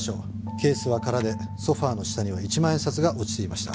ケースは空でソファの下には１万円札が落ちていました。